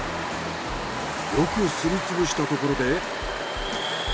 よくすり潰したところで。